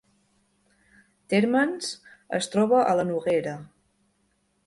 Térmens es troba a la Noguera